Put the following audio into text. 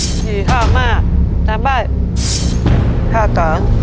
ถือข้าวมากน้ำใบข้าวต่อ